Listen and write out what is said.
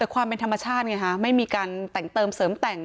ความเป็นธรรมชาติไงฮะไม่มีการแต่งเติมเสริมแต่ง